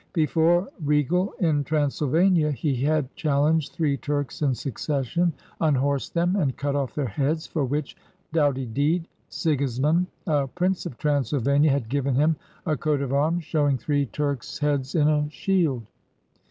Before R^all, in Transylvania, he had challenged three Turks in succession, un horsed them, and cut off their heads, for which doughty deed Sigismund, a Prince of Transylvania, had given him a coat of arms showing three Turks' heads in a shield.